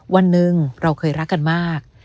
วันหนึ่งเราเคยรักกันมาก